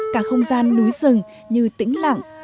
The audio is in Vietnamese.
cả không gian núi rừng như tĩnh lặng